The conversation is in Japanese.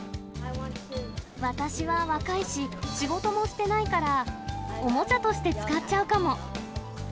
私は若いし、仕事もしてないから、おもちゃとして使っちゃうかも。